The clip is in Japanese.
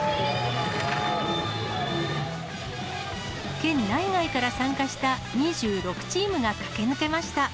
県内外から参加した２６チームが駆け抜けました。